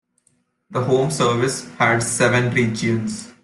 The Home Service had seven regions.